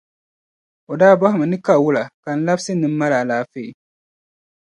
O daa bɔhima ni ka wula, ka n labisi ni n mali alaafee.